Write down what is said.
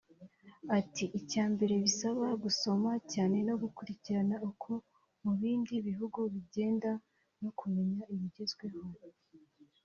Ati “Icya mbere bisaba gusoma cyane no gukurikirana uko mu bindi bihugu bigenda no kumenya ibigezweho